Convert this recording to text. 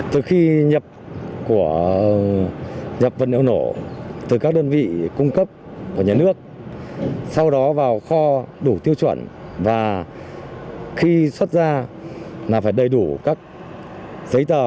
từ khi nhập của dập vật liệu nổ từ các đơn vị cung cấp của nhà nước sau đó vào kho đủ tiêu chuẩn và khi xuất ra là phải đầy đủ các giấy tờ